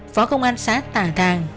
phó công an xác tà thàng